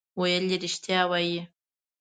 ویل یې رښتیا وایې.